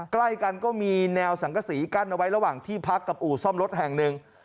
ใกล้กันก็มีแนวสังกษีกั้นเอาไว้ระหว่างที่พักกับอู่ซ่อมรถแห่งหนึ่ง